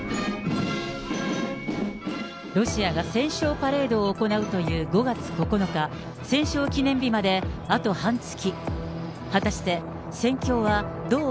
ロシアが戦勝パレードを行うという５月９日、戦勝記念日まであと半月。